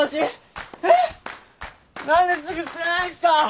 何ですぐ捨てないんすか？